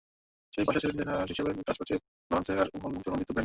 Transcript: সেই পেশা ছেড়ে ডিজাইনার হিসেবে কাজ করেছেন ব্যালেন্সিয়াগার মতো নন্দিত ব্র্যান্ডে।